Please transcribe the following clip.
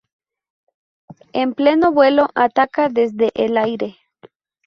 En pleno vuelo ataca desde el aire.